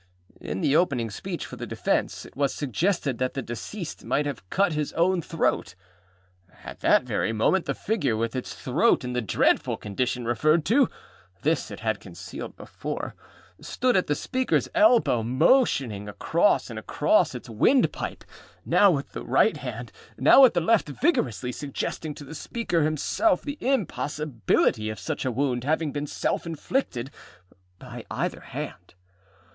In the opening speech for the defence, it was suggested that the deceased might have cut his own throat. At that very moment, the figure, with its throat in the dreadful condition referred to (this it had concealed before), stood at the speakerâs elbow, motioning across and across its windpipe, now with the right hand, now with the left, vigorously suggesting to the speaker himself the impossibility of such a wound having been self inflicted by either hand.